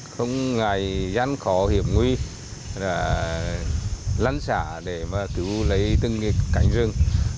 không ngại gian khó hiểm nguy lăn xả để cứu lấy từng cánh rừng